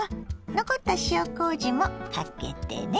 残った塩こうじもかけてね。